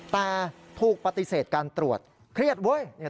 แต่ถูกปฏิเสธการตรวจเครียดเว้ย